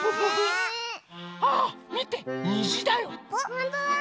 ほんとだ！